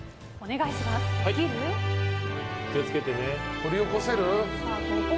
掘り起こせる？